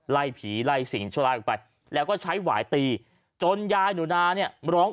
ไล่ผีไล่สิ่งชั่วลายออกไปแล้วก็ใช้หวายตีจนยายหนูนาเนี่ยร้อง